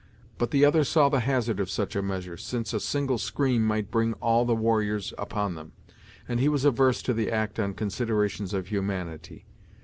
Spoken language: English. But the other saw the hazard of such a measure, since a single scream might bring all the warriors upon them, and he was averse to the act on considerations of humanity.